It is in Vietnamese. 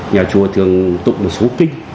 nhà chùa thường tụng một số kinh